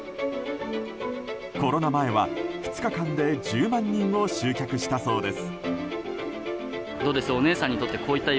コロナ前は２日間で１０万人を集客したそうです。